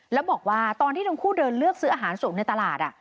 แล้วบอกว่าตอนที่ทั้งคู่เดินเลือกซื้ออาหารส่งในตลาด